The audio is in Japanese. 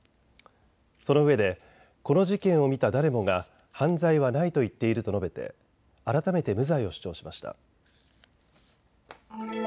そのうえでこの事件を見た誰もが犯罪はないと言っていると述べて改めて無罪を主張しました。